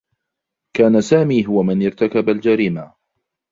كان سامي هو من ارتكب الجريمة.